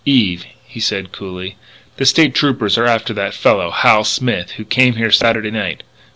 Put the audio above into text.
"Eve," he said coolly, "the State Troopers are after that fellow, Hal Smith, who came here Saturday night.